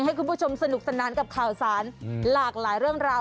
ให้คุณผู้ชมสนุกสนานกับข่าวสารหลากหลายเรื่องราว